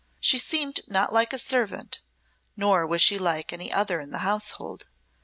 She seemed not like a servant, nor was she like any other in the household.